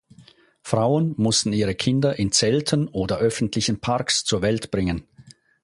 Frauen mussten ihre Kinder in Zelten oder öffentlichen Parks zur Welt bringen.